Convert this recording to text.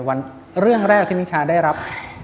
วันเรื่องแรกที่มิชาได้รับ